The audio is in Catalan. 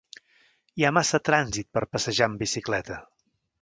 Hi ha massa trànsit per passejar amb bicicleta.